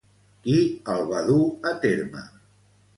Qui el va dur a terme?